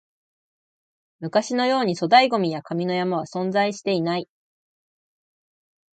昔のように粗大ゴミや紙の山は存在していない